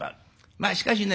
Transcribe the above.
まあしかしね